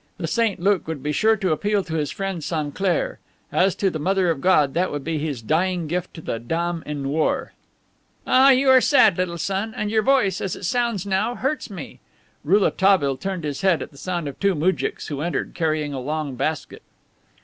The Saint Luke would be sure to appeal to his friend Sainclair. As to the Mother of God, that would be his dying gift to the Dame en noir. "Ah, you are sad, little son; and your voice, as it sounds now, hurts me." Rouletabille turned his head at the sound of two moujiks who entered, carrying a long basket.